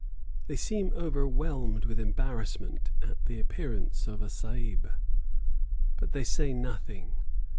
They seem overwhelmed with embarrassment at the appearance of a Sahib, but they say nothing.